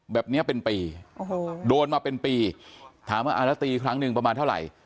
แบบนี้เป็นปีโอ้โหโดนมาเป็นปีถามว่าอ่าแล้วตีครั้งหนึ่งประมาณเท่าไหร่